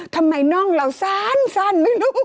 ทำไมน่องเราสั้นไม่รู้